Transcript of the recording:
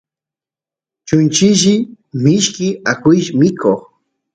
chunchilli mishki akush mikoq